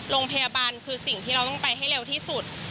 โรงพยาบาลคือสิ่งที่เราต้องไปให้เร็วที่สุด